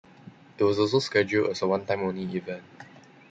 It was also scheduled as a "one time only" event.